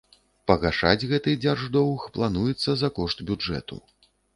Пагашаць гэты дзярждоўг плануецца за кошт бюджэту.